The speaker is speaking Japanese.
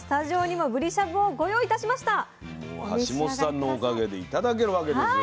もう橋本さんのおかげで頂けるわけですよ。